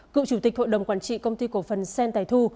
cựu chủ tịch hội đồng quản trị công ty cổ phần sen tài thu